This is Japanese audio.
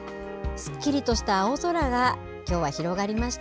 すっきりとした青空がきょうは広がりました。